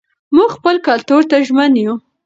موږ خپل کلتور ته ژمن یو.